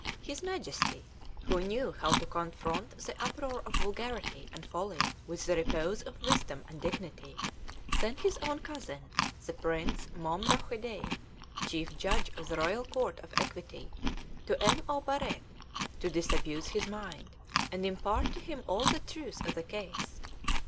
His Majesty, who knew how to confront the uproar of vulgarity and folly with the repose of wisdom and dignity, sent his own cousin, the Prince Mom Rachoday, Chief Judge of the Royal Court of Equity, to M. Aubaret, to disabuse his mind, and impart to him all the truth of the case.